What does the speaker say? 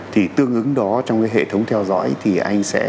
thì tương ứng đó trong cái hệ thống theo dõi thì anh sẽ